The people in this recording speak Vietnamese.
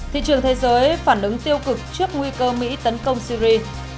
thị trường thế giới phản ứng tiêu cực trước nguy cơ mỹ tấn công syri